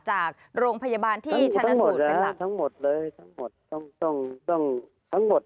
จากโรงพยาบาลที่ชนะซุดนะครับ